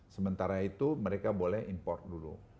sementara itu mereka boleh import dulu